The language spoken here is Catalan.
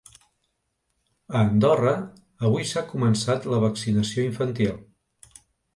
A Andorra, avui s’ha començat la vaccinació infantil.